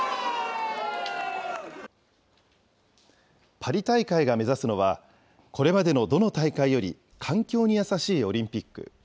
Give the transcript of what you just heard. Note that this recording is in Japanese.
パリ大会が目指すのは、これまでのどの大会より環境に優しいオリンピック。